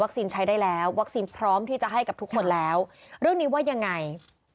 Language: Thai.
ใช้ได้แล้ววัคซีนพร้อมที่จะให้กับทุกคนแล้วเรื่องนี้ว่ายังไง